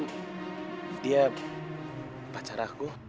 dia pacar aku